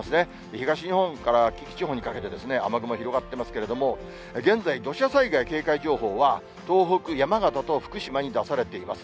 東日本から近畿地方にかけて、雨雲が広がってますけれども、現在、土砂災害警戒情報は、東北・山形と福島に出されています。